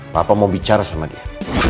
bapak mau bicara sama dia